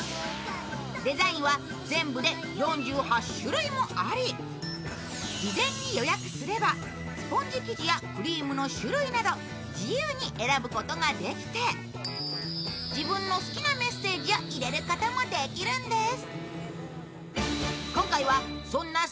デザインは全部で４８種類もあり、事前に予約すればスポンジ生地やクリームの種類など自由に選ぶことができて自分の好きなメッセージを入れることもできるんです。